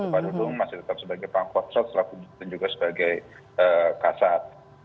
pak dudung masih tetap sebagai pangkot dan juga sebagai kasat